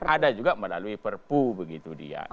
ada juga melalui perpu begitu dia